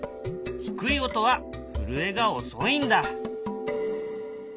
低い音は震えが遅いんだ。